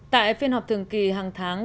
tại phiên họp thường kỳ hàng tháng